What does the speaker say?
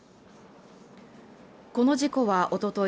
この事故はおととい